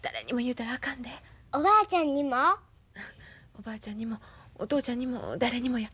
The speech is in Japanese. おばあちゃんにもお父ちゃんにも誰にもや。